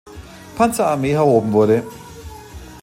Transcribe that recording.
Panzerarmee erhoben wurde.